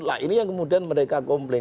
nah ini yang kemudian mereka komplain